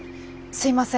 すいません。